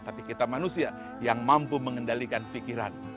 tapi kita manusia yang mampu mengendalikan pikiran